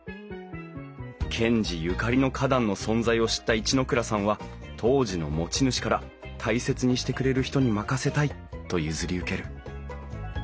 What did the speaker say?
賢治ゆかりの花壇の存在を知った一ノ倉さんは当時の持ち主から大切にしてくれる人に任せたいと譲り受ける。